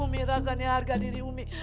ummi rasanya harga diri ummi